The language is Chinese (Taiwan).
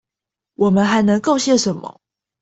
我們還能貢獻什麼？